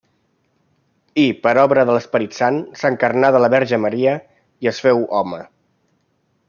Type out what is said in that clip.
I, per obra de l'Esperit Sant, s'encarnà de la Verge Maria, i es féu home.